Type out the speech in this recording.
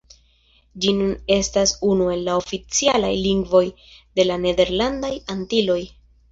Ĝi nun estas unu el la oficialaj lingvoj de la Nederlandaj Antiloj.